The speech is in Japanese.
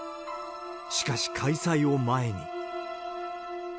しかし開催を前に。